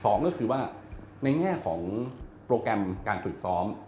สองก็คือว่าในแง่ของโปรแกรมการฝึกซ้อม